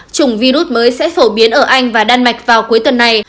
chủng virus mới sẽ phổ biến ở anh và đan mạch vào cuối tuần này